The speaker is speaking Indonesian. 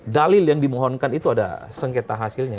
dalil yang dimohonkan itu ada sengketa hasilnya